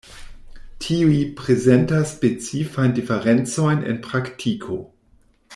Tiuj prezentas specifajn diferencojn en praktiko.